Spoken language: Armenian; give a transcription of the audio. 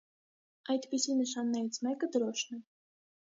Այդպիսի նշաններից մեկը դրոշն է։